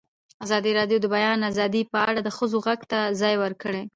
ازادي راډیو د د بیان آزادي په اړه د ښځو غږ ته ځای ورکړی.